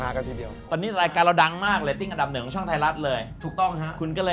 อันนี้ก็ยังสักไม่เสร็จก็คือ